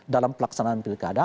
dalam pelaksanaan pilkada